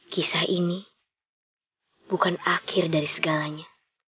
kisah ini bukan akhir dari segalanya